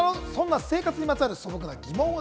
そんな生活にまつわる素朴な疑問を